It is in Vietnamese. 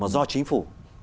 do chính phủ